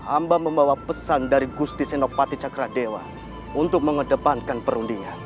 amba membawa pesan dari gusti senopati cakra dewa untuk mengedepankan perundingnya